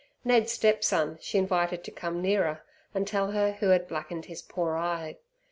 Ned's stepson she invited to come nearer, and tell her who had blackened his poor eye.